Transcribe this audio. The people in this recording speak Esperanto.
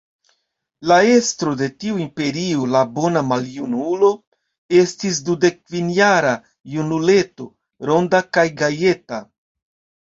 La estro de tiu imperio, la bona maljunulo, estis dudekkvinjara junuleto, ronda kaj gajeta.